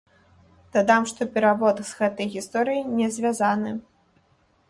Дадам, што перавод з гэтай гісторыяй не звязаны.